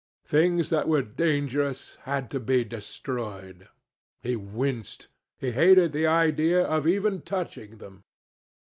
Things that were dangerous had to be destroyed. He winced. He hated the idea of even touching them.